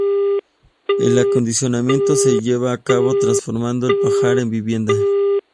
El acondicionamiento se llevaba a cabo transformando el pajar en vivienda.